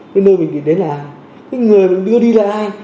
nơi mình định đến là người mình đưa đi là ai